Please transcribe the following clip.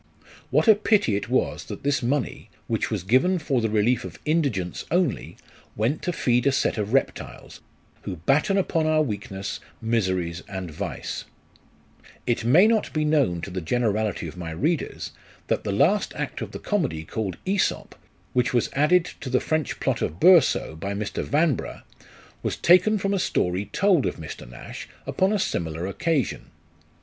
What a pity it was that this money, which was given for the relief of indigence only, went to feed a set of reptiles, who batten upon our weakness, miseries, and vice ! It may not be known to the generality of my readers, that the last act of the comedy, called " ^iEsop," which was added to the French plot of Boursault, by Mr. Yanbrugh, was taken from a story told of Mr. Nash upon a similar occasion.